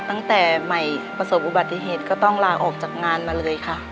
ตั้งแต่ใหม่ประสบอุบัติเหตุก็ต้องลาออกจากงานมาเลยค่ะ